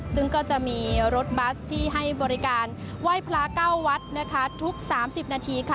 ซึ่งก็จะมีรถบัสที่ให้บริการไหว้พระเก้าวัดนะคะทุก๓๐นาทีค่ะ